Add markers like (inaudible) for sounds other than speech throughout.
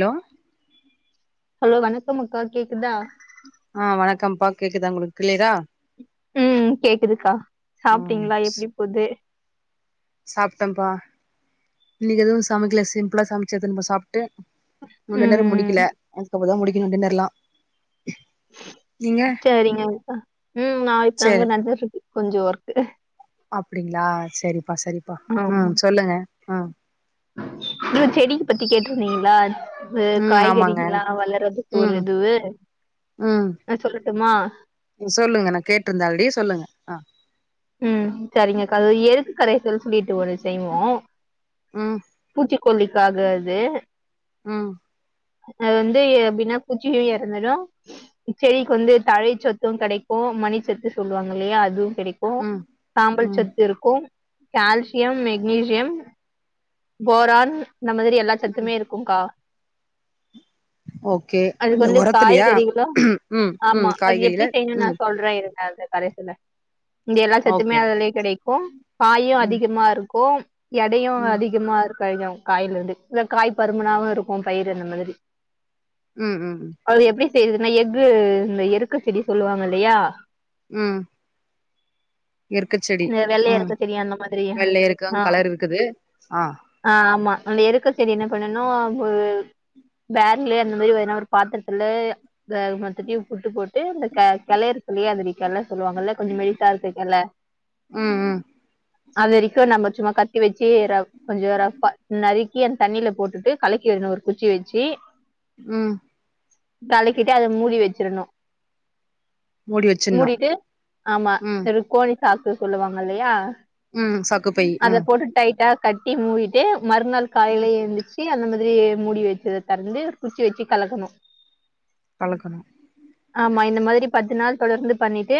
hello hello வணக்கம்முக்கா கேக்குதா ஆ வணக்கம்ப்பா கேக்குதா உங்களுக்கு கிளிரா ம் கேக்குதுக்கா ம் சாப்ட்டீங்களா எப்டி போகுது சாப்ட்டோம்ப்பா இன்னைக்கு எதுவு சமைக்கல சிம்பிளா சமைச்சது நம சாப்ட்டு (unintelligible) நேர ம் முடிக்கல அதுக்கப்புற தா முடி டின்னர்ல்லா (inaudible) சரிங்க அக்கா ம் சேரி நாளைக்கித்தாங்க நல்ல இருக்கு கொஞ்ச ஒர்க்கு அப்டிங்களா செரிப்பா செரிப்பா ம் சொல்லுங்க ம் இல்ல செடிக்கு பத்தி கேட்ருந்தீங்களா இது ம் காய்கறி ஆமாங்க எல்லா வளறதுக்கு ஒரு ம் இதுவு ம் அ சொல்லட்டுமா சொல்லுங்க நா கேட்டுருந்தே ஆல்ரெடி சொல்லுங்க ஆ ம் சரிங்கக்கா அது எருத்து கரைசல் சொல்லிட்டு ஒரு செய்வோ ம் பூச்சிக்கொல்லிக்காக இது ம் அது வந்து எப்டின்னா பூச்சியு எறந்துடு செடிக்கு வந்து தழை சொத்து கெடைக்கு மனிசத்து சொல்லுவாங்க இல்லையா அதுவு கெடைக் கு ம் சாம்பல் ம் சத்து இருக்கு கால்சியம் மெக்னீசியம் போரான் இந்த மாதிரி எல்லா ம் சத்துமே இருக் கும்கா ஓகே அதுக்கு அந்த வந்து ஒரத்துலயா காய்கறிகலு ம் ம் ஆமா அது காய்கறில எப்டி செய்யணு நா ம் சொல் றே இருந்த அந்த கரைசல இங்க எல்லா சத்துமே ஓகே அதுலயே கெடைக்கு காயு ம் அதிகமா இருக்கும் எடையு ம் அதிகமா இருக் கழஞம் காயல வந்து இல்ல காய் பருமனாவும் இருக்கும் பயிர் அந்த மாதிரி உம் உம் அது எப்டி செய்துதுன்னா எஃகு இந்த எருக்க செடி சொல்லுவாங்க இல்லையா உம் எற்கை செடி இந்த வெள்ளை ம் எருக்க செடி அந்த மாதிரி வெள்ளை இருக்கு ஆஹ் கலர் இருக்குது ஆ ஆ ஆமா அந்த எருக்க செடி என்ன பண்ணும்னா ஒரு வேர்ல அந்த மாரி வேனா ஒரு பாத்ரத்துல த மத்தட்டையும் புட்டு போட்டு இந்த க கலேருக்குமே அத நீ கல்ல சொல்லுவா அன்னால கொஞ்ச மெல்டாசாருக்கேல்ல ம் ம் அது வரைக்கும் நம்ம சும்மா கத் தி வச்சு ர கொஞ்சோ ரஃப்பா நறுக்கி அந் தண்ணீல போட்டுட்டு கலக்கி விட்னும் ஒரு குச்சி வெச்சி உம் கலக்கிட்டு அத மூடி வச்சிருணும் மூடி வச்சிட்ணு மூடிட்டு ஆமா ம் ஒரு கோணி சாக்கு சொல்லுவாங்க இல்லையா ம் சாக்குப்பை அத ம் போட்டு டைட்டா கட்டி மூவிட்டு மறுநாள் ம் காலையில எழுந்துச்சு தீ அந்த மாதிரி மூடி வச்சத த றந்து குச்சி வெச்சி கலக்கணும் கலக்கணும் ஆமா இந்த மாதிரி பத்து நாள் தொடர்ந்து பண்ணிட்டு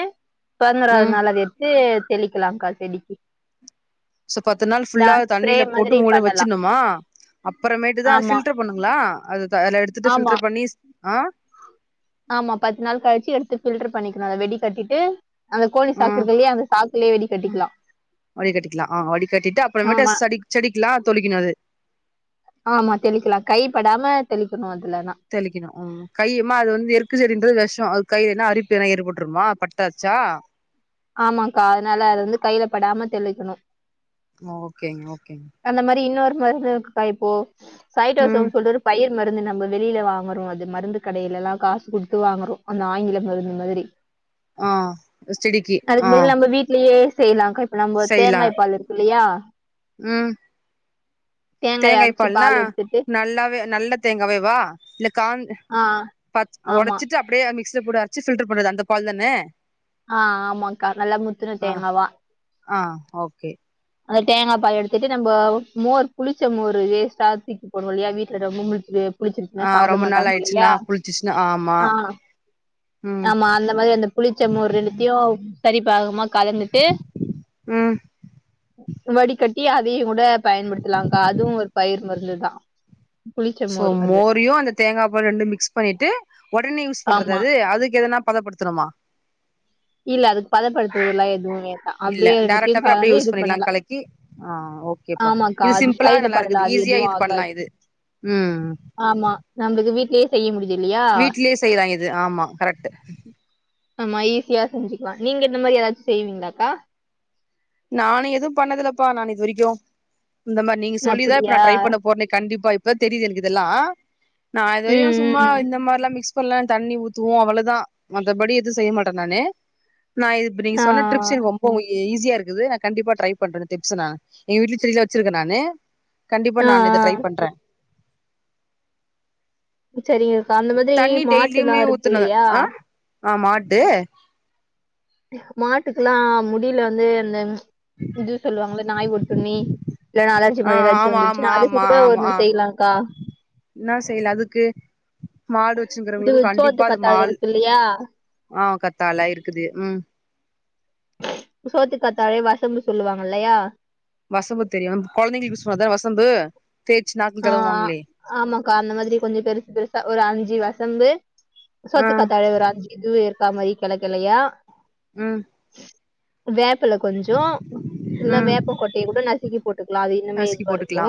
பன்னோராது ம் அத எத்து தெளிக்கலாம்கா செடிக்கு சோ பத்து நாள் ஃபுல்லா நான் ஸ்ப்ரே தண்ணியில போட்டு மாதிரி மூட பண்ணலாம் வச்சிணம்மா அப்புறமேட்டு தான் அது ஆமா ஃபில்டர் பண்ணுங்களா அதுதா அதுல எடுத்துட்டு ஆமா பில்ட்ரு பண்ணிஸ் ஆ ஆமா பத்து நாள் கழிச்சு எடுத்து பில்டர் பண்ணிக்கணும் அத வெடி கட்டிட்டு அந்த கோனி சாக்குக்கருதில்லயா அந்த சாக்குலேயே வெடி கட்டிக்கலா வடி கட்டிக்கலா ஆஹ் வடி கட்டிட்டு அப்புறமேட்டு ஆமா சடிக் செடிக்கலா தொளிக்கணது ஆமா தெளிக்கலா கைப்படாம தெளிக்கணும் அதுலணா தெளிக்கணும் ம் கையிமா அது வந்து எற்கு செடின்றது விஷோம் அது கையில என்னா அரிப்பு எல்லா ஏற்பட்டுருமா பட்டாச்சா ஆமாக்கா அதனால அத வந்து கையில படாம தெளிக்கணும் ஓகேங்க ஓகே அந்த மாரி இன்னொரு மருந்து இருக்குக்கா இப்போ சாயட்டோசோ ம் சொல்ட்டு ஒரு பயிர் மருந்து நம்ம வெளியில வாங்குறோம் அது மருந்து கடையில எல்லா காசு குடுத்து வாங்கறோம் அந்த ஆங்கில மருந்து மாதிரி ஆ செடிக்கு ஆ அதுக்கு பதில் நம்ம வீட்லயே செய்லாம் க இப்ப நம்ம தேங்காய் பால் இருக்கு இல்லையா உம் தேங்காய் அரைச்சி பால்னா பால் எடுத்துட்டு நல்லாவே நல்ல தேங்காவே வா இல்ல காந் ஆ பச் ஆமா ஒடச்சிட்டு அப்டியே மிக்ஸ்ல போடு அரச்சு ஃபில்டர் பண்றது அந்த பால் தானே ஆ ஆமாங்க்கா நல்லா முத்துன தேங்காவா ஆ ஓகே அந்த தேங்கா பாய எடுத்துட்டு நம்ம மோர் புளிச்ச மோரு வேஸ்ட்டா தூக்கி போடுவோம் இல்லையா வீட்ல மும்முடிச்சது புளிச்சிருச்ன்னா ஆ சாப்ட ரொம்ப நாள் மாட்டாங்க ஆயிடுச்சுன்னா இல்லையா புளிச்சிச்சுன்னா ஆமா ஆ ம் ஆமா அந்த மாரி அந்த புளிச்ச மோர் ரெண்டுத்தியோம் சரி பாகமா கலந்துட்டு ம் வடிகட்டி அதையும் கூட பயன்படுத்தலாம் க்கா அதுவும் ஒரு பயிர் மருந்து தா சோ மோரயும் அந்த தேங்கா பால் ரெண்டு மிக்ஸ் பண்ணிட்டு ஒடனே யூஸ் பண்றது ஆமா அது அதுக்கு எதனா பதப்படுத் தனமா இல்ல அதுக்கு பதப்படுத்துறதுல்லா எதுவும் யாது இல்ல டேரக்டாவே அப்டியே யூஸ் பண்ணிர்லா கலக்கி ஆ ஓகேப்பா ஆமாக்கா இது அது சிம் பிளா கையில படல நல்லாருக்குது அது ஈஸியா எதுவும் இது பண்லா ஆகாது இது ம் ஆமா நம்ளுக்கு வீட்லே செய்ய முடிஞ்ச இல்லயா வீட்லே செய்லா இது ஆமா கரெட்டு ஆமா ஈஸியா செஞ்சுக்கலா நீங்க இந்த மாரி எதாச்சு செய்வீங்களாக்கா நானு எதுவு பண்ணதில்லப்பா நானு இது வரைக்கு இந்த மாரி நீங்க சொல்லிதா இப்ப அப்படியா நா ட்ரை பண்ண போறனே கண்டிப்பா இப்பா தா தெரிது எனக்கு இதெல்லா நா ம் இதுவரையு சும்மா ம் இந்த மார்லா மிஸ் லா தண்ணி ஊத்துவோ அவ்ளதா மத்தபடி எது செய்ய மாட்டே நானு நா இப்ப நீங்க ஆ சொன்ன ட்ரிப்ஸ் எனக்கு ரொம்பவு ஈஸியா இருக் குது நா கண்டிப்பா ட்ரை பண்றே இந்த டிப்ஸ நா எங்க வீட்லயு செடிலா வச்சிர்க்கே நானு கண்டிப்பா ஆ ஆ நானு இத ட்ரை பண்றே சரிங்கக்கா அந்த மாதிரி தண்ணி டெய்லியுமே மாட்டுலாம் இருக்கு ஊத்துனு இல்லையா ஆ ஆ மாட்டு மாட்டுக்லா முடியில வந்து அந்த இது சொல்லுவாங்கள நாய் ஒட்டுண்ணி இல்ல நாளாச்சு ஆ இப்ப எதாச்சு ஆமா ஆமா வந்துருச்சுனா அதுக்கு கூட ஒன்னு செய்லாகா என்னா செய்ல அதுக்கு மாடு வச்சிர்ங்கறவங்களுக்கு கண்டிப்பா அது மால் யா ஆ கத்தாழ இருக்குது ம் சோத்து கத்தாழை வசம்பு சொல்லுவாங்க இல்லையா வசம்பு தெரியு கொழந்தைங்களுக்கு சொ அதா வசம்பு தேய்ச்சி நாக்ல ஆ தடவுவாங்களே ஆமாக்கா அந்த மாதிரி கொஞ்ச பெருசு பெருசா ஒரு அஞ்சி வசம்பு ஆ சோத்துக்கத்தாழை ஒரு அஞ்சி எதுவு இற்க்கா மாரி கனவு கண்டயா ம் வேப்பல கொஞ்சோ இல்ல ம் வேப்ப கொட்டைய கூட நசுக்கி போட்டுக்குலா அது இன்னமே நசுக்கி இதுவா இருக்கு போட்டுக்கலா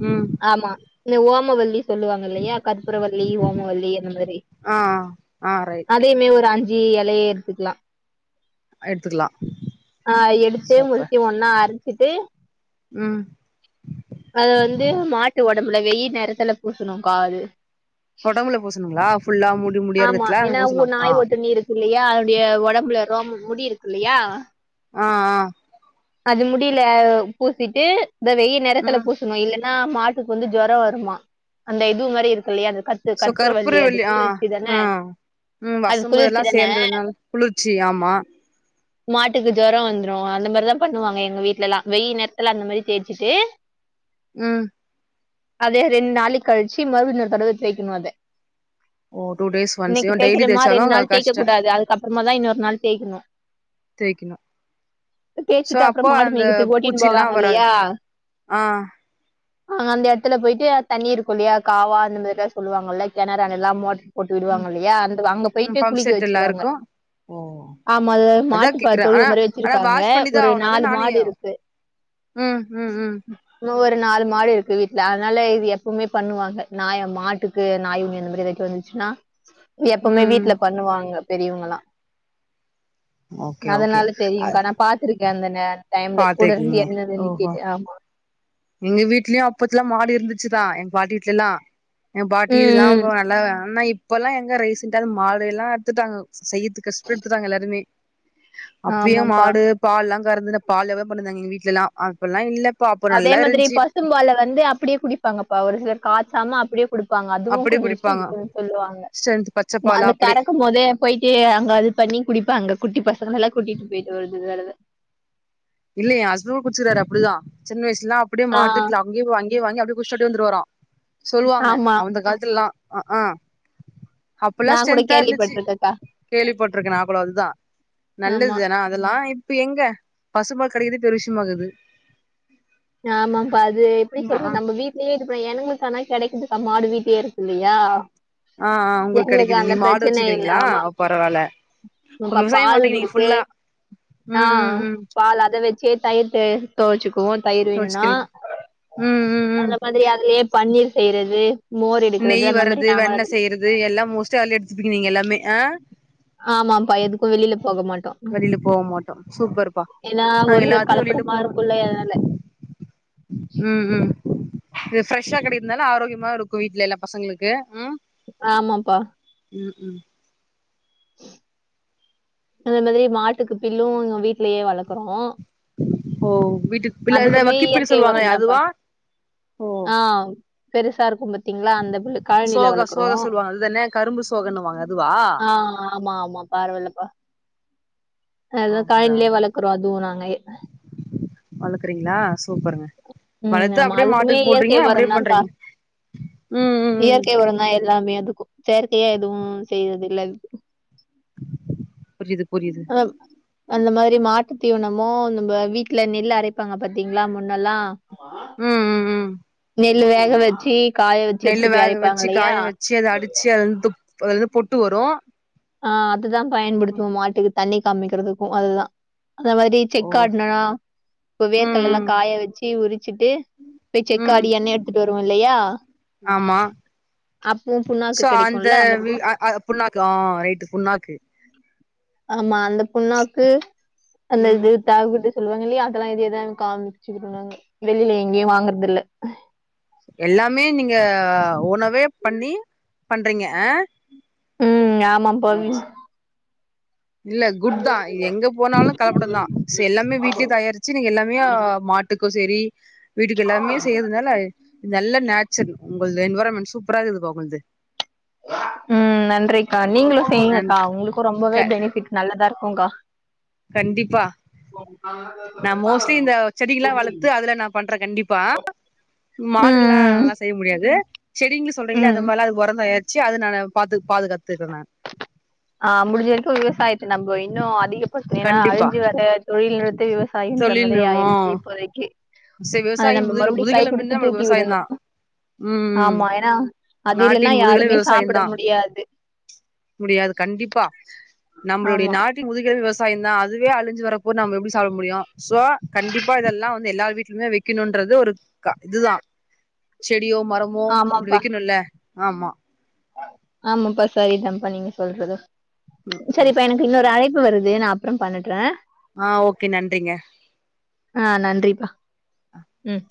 ம் ஆமா இந்த ஓமவல்லி சொல்லுவாங்க இல்லயா கற்பூரவள்ளி ஓமவல்லி அந்த மாரி ஆ ஆ ரைட் பேமே ஒரு அஞ்சி எலய எடுத்துக்லா எடுத்துக்கலா ஆ எடுத்து சூப்பர் மூனுத்தியு ஒன்னா அரச்சிட்டு ம் அத வந்து மாட்டு ஒடம்புல வெயில் நேரத்துல பூசணுக்கா அது ஒடம்புல பூசணுங்களா ஃபுல்லா முடி ஆமா முடியாறத்துல அங்க ஏன்னா ஊ- பூசணும் ஆ நாய் ஒட்டுண்ணி இருக்கு இல்லையா அதனுடைய ஒடம்புல ரோம முடி இருக்கு இல்லயா ஆ ஆ அது முடில பூசிட்டு இந்த வெயில் நேரத்துல ம் பூசுணு இல்ல னா மாட்டுக்கு வந்து ஜொர வருமா அந்த இது மாரி இருக்கு இல்லயா அந்த கட் சோ கற்பூரவள்ளி ஆ அ ம் அது வசம்பு எல்லா குளிர்ச்சி தானே சேந்ததுனால குளிர்ச்சி ஆமா மாட்டுக்கு ஜொரோ வந்துரு அந்த மாரிதா பண்ணுவாங்க எங்க வீட்லலா வெயில் நேரத்துல அந்த மாரி தேச்சிட்டு ம் அதே ரெண்டு நாளைக் கழிச்சி மறுபடியு இன்னொரு தடவ தேய்க்கணு அத ஓ டூ டேஸ் ஒன்ஸ் இன்னக்கி இவ டெய்லி தேக்கிறமா ரெண்டு தேய்ச்சாலு நாள் தேக்க கஷ்ட கூடாது அதுக்கப்பறமாதா இன்னொரு நாள் தேக்கணு தேக்கிணு சோ தேய்ச்சிட்டு அப்புறம் அப்போ மாடு அந்த மேய்க்கிறதுக்கு ஓட்டின்னு பூச்சில்லா போவாங்க வராது இல்லையா ஆ அ அந்த எடத்துல போயிட்டு தண்ணி இருக்குல்லையா காவா அந்த மாரிதா சொல்லுவாங்கல்ல கெணறு அதல்லா மோட் போட்டு ம் விடுவாங்கில்லியா அந்த அங்க ம் போயிட்டு பம்ப் குளிக்க செட் எல்லா வெச்சிடுவாங்க இருக்கு ஆமா அது அதா மாட்டு ப கேக்குறே தொழுவ ஆனா மாரி ஆனா வெச்சிருக்காங்க வாஷ் பண்ணிதா ஒரு ஆவணு அதா நாலு நானு மாடு இருக்கு ம் ம் ம் தோ ஒரு நாலு மாடு இருக்கு வீட்ல அதனால இது எப்பமே பண்ணுவாங்க நா எ மாட்டுக்கு நாயூனி அந்த மாரி வச் வந்துச்சுன்னா எப்பமே ம் ம் வீட்டுல பண்ணுவாங்க பெரியவங்கலா ஓகே ஓகே அதனால தெரியு அ கனா பாத்துருக்கே அந்த நேர் டைம்ல கூடருந்து பாத்துருக்கீங்க என்னதுன் ஓஹோ கேட்டு ஆமா எங்க வீட்லயு அப்பத்துல மாடு இருந்துச்சுதா எங்க பாட்டி வீட்டுலல்லா எ பாட்டி ம் இதல்லா ம் ப நல்லா ஆனா இப்பல்லா எங்க ரீசன்டா மாடு எல்லா எடுத்துட்டாங்க செய்யிரதுக்கு கஷ்டப்படுத்துட்டாங்க எல்லாருமே அப்பயே ஆமாப்பா மாடு பால்லா கறந்து பால் எ பண்ணிந்தாங்க எங்க வீட்லலா அப்படில்லா இல்லப்ப அப்ப நல்லா அந்த மாதிரி இருந்துச்சு பசும்பால வந்து அப்பிடியே குடிப்பாங்கப்பா ஒரு சிலர் காச்சாம அப்பிடியே குடிப் ப்பாங்க அதுவு அப்டியே கொஞ்சு குடிப்பாங்க ஸ்ட்ரெத்துன்னு சொல்லுவாங்க ஸ்ட்ரென்த் பச்ச பாலா அந்த அப்டியே கறக்கும் போதே போயிட்டு அங்க அது பண்ணி குடிப்பாங்க குட்டி பசங்கல்லா கூட்டிட்டு போயிட்டு வந் வருது இல்லையே ஹஸ்பண்ட்டு கூட குடிச்சுருக்காரு அப்பிடிதா சின்ன வயசுலல்லா அப்பிடியே ஆஹ் மாட்டுக்லா அங்கியே போய் வாங்கி அங்கியே அப்டியே குடிச்சுட்டு அப்டியே வந்துருவாரா சொல்லுவாங்க ஆமா அந்த கால த்துல்லா அ அ அப்பல்லா நான் கூட ஸ்ட்ரென்த்தாருந்துச்சு கேள்விப்பட்டிருக்கேன்க்கா கேள்விபட்ருக்கே நா கூட அதுதா நல்லது ஆமா தான அதுலா இப்ப எங்க பசும்பால் கெடைக்கதே பெரு விஷியமாக்குது ஆமாம்பா அது எப்பிடி ஆ சொல்றது ஆ நம்ப வீட் லேயே எங்களுக்குக்கானா கெடைக்கதுக்கா மாடு வீட்டிலேயே இருக்குல்லியா அ அ உங்குளுக்கு கெடக்குது நீங் மாடு வச்சிருக்கிங்களா பரவால ப்ப பால் இருக்கு ஆ ம் அ ம் ம் பால் அத வெச் சு தயிர் தே துவச்சுக்குவோ தயிர் வேணுனா வச்சுக்கிறீங்க ம் ம் ம் அந்த மாதிரி அதுலே பன்னீர் செய்யறது மோர் எடுக்குறது அந்த மாரி நாங்களா அது து எல்லா மோஸ்ட்லி அதுலே எடுத்துப்பிங்க நீங்க எல்லாமே அ ஆமாப்பா எதுக்கு வெளியில போகமாட்டோ வெளில போக மாட்டோ சூப்பர்ப்பா ஏன்னா ஒரு நாங்க சில எல்லாத்து வெளில கலப்படமா போனோ இருக்குல்ல அதால்ல ம் ம் இது ஃப்ரெஷ்ஷா கெடக்கரதுனால ஆரோக்கியமா இருக்கு வீட்ல எல்லா பசங்களுக்கு உம் ஆமாப்பா ம் ம் அந்த மாதிரி மாட்டுக்கு பில்லு எங்க வீட்லயே வளக்குறோ ஓ வீட்டுக்கு பில் அந்த அதுக்குமே வக்கிப்பில் சொல்லுவாங்களே அதுவா ஓ அ பெருசாருக்கு பாத்தீங்களா அந்த பில்லு காழனில சோக வளக்குறோ சோக சொல்லுவாங்க அதுதானே கரும்பு சோகன்னுவாங்க அதுவா அ ஆமா ஆமா பரவால்லப்பா அதா ஆ காழனியிலேயே பரவால்ல வளக்குறோ அதுவு நா அங்கயே வளக்குறீங்களா சூப்பாருங்க ம் வளத்து ஆமா அப்படியே அதுக்குமே மாட்டுக்கு இயற்கை போடுறீங்க அப்படியே உரந்தாக்கா பண்றீங்க ம் ம் ம் இயற்கை உரம் தா எல்லாமே அதுக்கு செயற்கையா எதுவு செய்யறது இல்ல இது புரியிது புரியிது அம் அந்த மாரி மாட்டு தீவனமோ நம்ப வீட்ல நெல் அரைப்பாங்க பாத்தீங்களா முன்னெல்லா ம் ம் ம் நெல்லு வேக வச்சி நெல்லு வேக வச்சு காய வச்சு அதை அடுச்சு அதுலந்து ப் அது பொட்டு வரு ஆ அதுதா பயன்படுத்துவோ மாட்டுக்கு தண்ணி காமிக்கிறதுக்கு அதுதா அந்த மாதிரி ஓ செக்கு ஆட்னேனா இப்ப ம் வேர்கல்லலா காய வச்சு உரிச்சிட்டு பேய் ம் செக் ம் ஆடி எண்ணை எடுத்துட்டு வருவோ இல்லையா ஆமா அப்பவு புண்ணாக்கு சோ அந்த கெடைக்குல்ல வி அந்தப்பு அ அ புண்ணாக்கு ஆ ரைட்டு புண்ணாக்கு ஆமா அந்த புண்ணாக்கு அந்த ம் இது தவுடு சொல்வாங்க இல்லையா அதெல்லா எது எதான் காமிச்சுகிட்டுன்னாங்க வெளில எங்கேயு வாங்குறதில்ல எல்லாமே நீங்க உணவே பண்ணி பண்றீங்க ஆ ம் ஆமாம் பவி இல்ல குட் தா இது எங்க போனாலு கலப்படம் தா சே எல்லாமே வீட்லயே தயாரிச்சு நீங்க எல்லாமே ஆ மா ட்டுக்கு சேரி வீட்டுக்கு எல்லாமே செய்யறதுனால நல்ல நேச்சர் உங்களது எண்வராமெண்ட் சூப்பராகிது பா உங்கள்து ம் நன்றிக்கா நீங்களு அண்ட் செய்ங்கக்கா உங்களுக்கு ரொம்பவே க பெனிஃபிட் நல்லதா இருக்கு கா கண்டிப்பா நா மோஸ்ட்லி இந்த செடிகெல்லா வளத்து அதுல நா பண்றே கண்டிப்பா மாடுல்லா ம் ல்லா ஸ் செய்ய முடியாது செடிங்கல சொல்றீங்கள அது மாரிலா அது உரந் தயாரிச்சி அது நானு பாத்து பாதுகாத்துக்குறே நானு ஆ முடிஞ்ச வரைக்கு விவசாயத்த நம்பு இன்னு அதிகப்பச் ஏனா கண்டிப்பா அழி்ஞ்சு வர தொழில் நிறுத்த விவ சாயின்ற மாதிரி சொல்லிருவோ ஆயிருச்சு இப்போதைக்கு சரி அத விவசாயம் நம்ப முதுகு மறுபடியு கைய் முதுகெலும்புன்னா குடுத்து நம்மளுக்கு தூக்கி விவசாயம் விடணு தா ம் ஆமா ஏனா அது இல்லன்னா நாட்டின் யாருமே முதுகெலும்பு விவசாயம் சாப்பிட தா முடியாது முடியாது கண்டிப்பா‌ நம்மளுடைய ஆமா நாட் ட்டின் முதுகெழும்பே விவசாய தா அதுவே அழிஞ்சு வரப்போ நம் எப்பிடி சாப்ட முடியு சோ கண்டிப்பா இதெல்லா வந்து எல்லார் வீட் என்ன வக்கனுன்றது ஒருக்கா இதுதா செடியோ மரமோ அப்டி ஆமாப்பா வக்கனுல்ல ஆமா ஆமாப்பா சரிதாப்பா நீங்க சொல்றது சரிப்பா எனக் இன்னொரு அழைப்பு வருது நா அப்புறம் பண்ணட்டுறே ஆ ஓகே நன்றிங்க ஆ நன்றிப்பா ம்